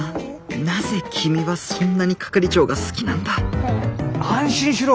なぜ君はそんなに係長が好きなんだ安心しろ。